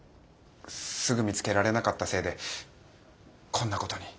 すぐ見つけられなかったせいでこんなことに。